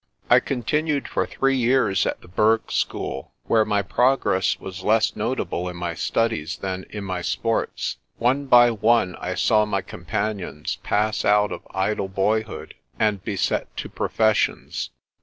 I continued for three years at the burgh school, where my progress was less notable in my studies than in my sports. One by one I saw my companions pass out of idle boyhood and be set to professions.